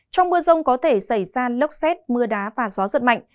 trong mưa rông có thể xảy ra lốc xét mưa đá và gió giật mạnh